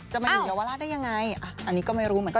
จะมาอยู่เยาวราชได้ยังไงอันนี้ก็ไม่รู้เหมือนกัน